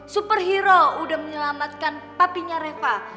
superhero udah menyelamatkan papinya reva